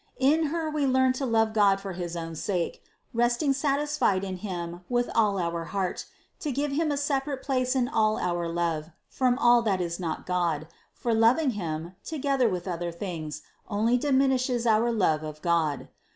In Her we learn to love God for his own sake, rest ing1 satisfied in Him with all our heart; to give Him a separate place in all our love from all that is not God, for loving Him, together with other things, only diminishes our love of God.